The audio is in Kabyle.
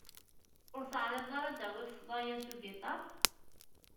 Ur teεriḍeḍ ara ad d-tawiḍ ssḍa-ya s ugiṭar?